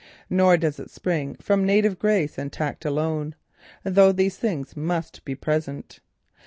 Nor does it spring from native grace and tact alone; though these things must be present.